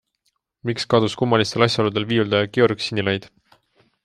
Miks kadus kummalistel asjaoludel viiuldaja Georg Sinilaid?